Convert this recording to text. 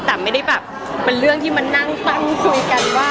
แต่ไม่ได้แบบเป็นเรื่องที่มานั่งตั้งคุยกันว่า